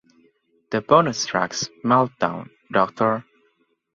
The bonus tracks "Meltdown", "Doctor?